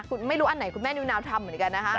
คุณไม่รู้อันไหนคุณแม่นิวนาวทำเหมือนกันนะคะ